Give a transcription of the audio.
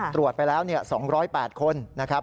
ตรวจไปแล้ว๒๐๘คนนะครับ